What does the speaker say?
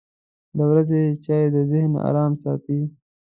• د ورځې چای د ذهن ارام ساتي.